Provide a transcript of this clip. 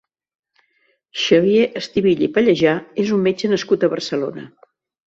Xavier Estivill i Pallejà és un metge nascut a Barcelona.